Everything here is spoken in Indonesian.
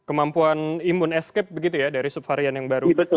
kemampuan imun escape dari subparian yang baru